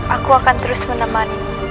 aku akan terus menemani